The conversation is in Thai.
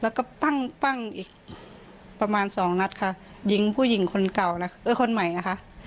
แล้วก็ปั้งปั้งอีกประมาณสองนัดค่ะยิงผู้หญิงคนเก่านะเออคนใหม่นะคะ